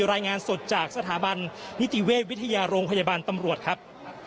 รายงานสดจากสถาบันนิติเวชวิทยาโรงพยาบาลตำรวจครับ